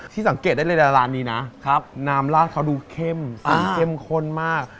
สังเกตได้เลยนะร้านนี้นะน้ำลาดเขาดูเข้มเข้มข้นมาก